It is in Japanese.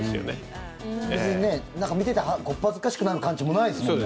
別に見ててこっぱずかしくなる感じもないですもんね。